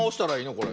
これ。